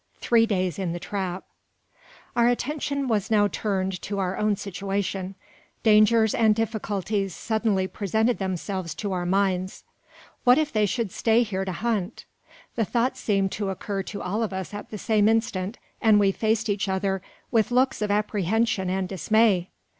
THREE DAYS IN THE TRAP. Our attention was now turned to our own situation. Dangers and difficulties suddenly presented themselves to our minds. "What if they should stay here to hunt?" The thought seemed to occur to all of us at the same instant, and we faced each other with looks of apprehension and dismay.